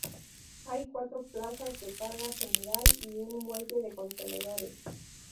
Hay cuatro plazas de carga general y un muelle de contenedores.